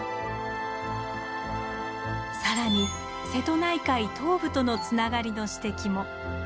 更に瀬戸内海東部とのつながりの指摘も。